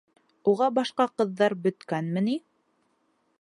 Уға башҡа ҡыҙҙар бөткәнме ни?